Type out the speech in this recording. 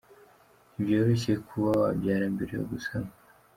Ntibyoroshye kuba wabyara mbere yo gusama.